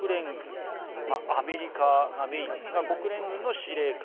アメリカがメインですが国連軍の司令官。